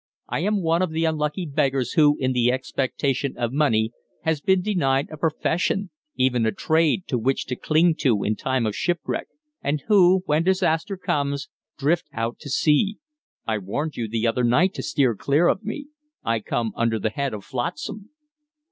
I am one of the unlucky beggars who, in the expectation of money, has been denied a profession even a trade, to which to cling in time of shipwreck; and who, when disaster comes, drift out to sea. I warned you the other night to steer clear of me. I come under the head of flotsam!"